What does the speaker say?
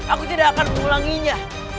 aku tidak akan mengulanginya